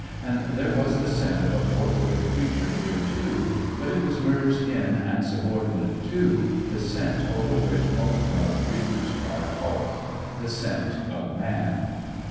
And there was the scent of a four footed creature here, too; but it was merged in, and subordinate to, the scent over which most wild creatures cry a halt: the scent of man.